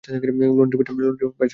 লন্ড্রির পাশেই বাঁ-দিকে রয়েছে।